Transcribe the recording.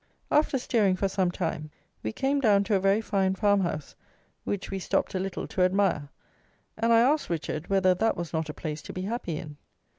After steering for some time, we came down to a very fine farmhouse, which we stopped a little to admire; and I asked Richard whether that was not a place to be happy in.